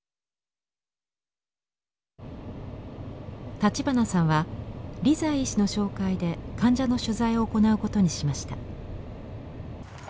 立花さんはリザイ医師の紹介で患者の取材を行うことにしました。